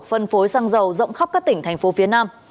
phân phối xăng dầu rộng khắp các tỉnh thành phố phía nam